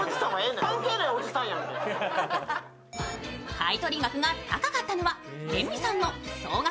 買取額が高かったのは辺見さんの総額